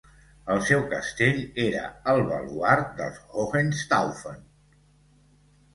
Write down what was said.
El seu castell era el baluard dels Hohenstaufen.